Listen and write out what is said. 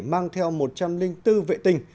mang theo một trăm linh bốn vệ tinh